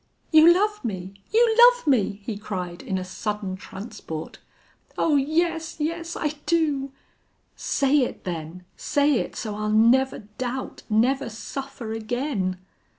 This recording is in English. "You love me! You love me!" he cried, in a sudden transport. "Oh, yes, yes! I do." "Say it then! Say it so I'll never doubt never suffer again!"